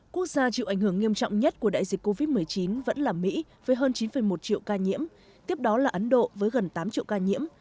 quốc gia chịu ảnh hưởng nghiêm trọng nhất của đại dịch covid một mươi chín vẫn là mỹ với hơn chín một triệu ca nhiễm tiếp đó là ấn độ với gần tám triệu ca nhiễm